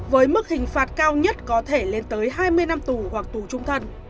với mức hình phạt cao nhất có thể lên tới hai mươi năm tù hoặc tù trung thân